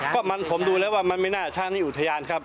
ก็มันผมดูแล้วว่ามันไม่น่าช้าในอุทยานครับ